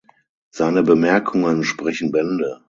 Seine Bemerkungen sprechen Bände.